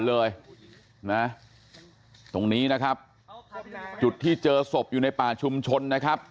เลยนะตรงนี้นะครับจุดที่เจอศพอยู่ในป่าชุมชนนะครับ